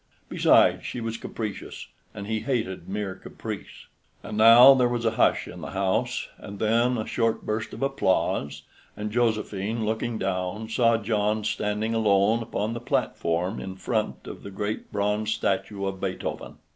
Besides, she was capricious, and he hated mere caprice. And now there was a hush in the house, and then a short burst of applause, and Josephine, looking down, saw John standing alone upon the platform in front of the great bronze statue of Beethoven.